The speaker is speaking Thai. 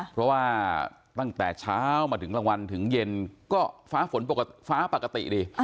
เพราะว่าตั้งแต่เช้ามาถึงกลางวันถึงเย็นก็ฟ้าฝนปกติฟ้าปกติดี